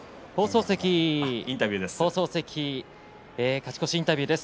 勝ち越しインタビューです。